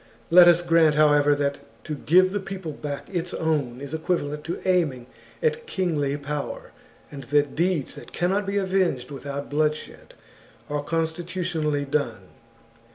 Let us grant, however, that to give the people back its own is equivalent to aiming at kingly power, and that deeds that cannot be avenged without bloodshed are constitutionally done.